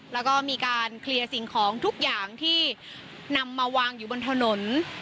แล้วก็มีการเคลียร์สิ่งของทุกอย่างที่นำมาวางอยู่บนถนน